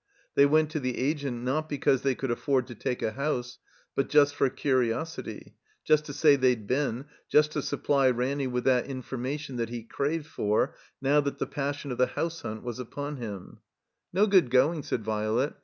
They went to the Agent, not because they could afford to take a house, but just for curiosity, just to say they'd been, just to supply Ranny with that in formation that he craved for, now that the passion of the house htmt was upon him. 131 THE COMBINED MAZE "No good going," said Violet.